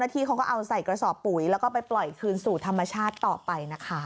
ที่เขาก็เอาใส่กระสอบปุ๋ยแล้วก็ไปปล่อยคืนสู่ธรรมชาติต่อไปนะคะ